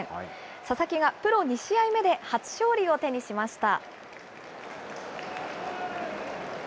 佐々木がプロ２試合目で初勝利を手にしました。